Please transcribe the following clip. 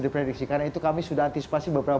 diprediksi karena itu kami sudah antisipasi beberapa